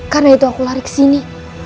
karena itu aku lari ke sini